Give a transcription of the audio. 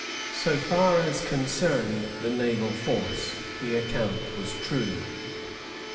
So far as concerned the naval force, the account was true.